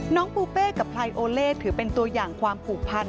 ปูเป้กับไพโอเล่ถือเป็นตัวอย่างความผูกพัน